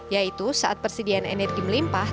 yaitu saat persediaan energi melimpah